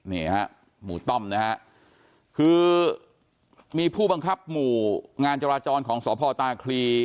นี่ฮะหมู่ต้อมนะฮะคือมีผู้บังคับหมู่งานจราจรของสพตาคลี